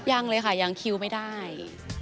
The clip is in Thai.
ยังเลยค่ะยังคิวไม่ได้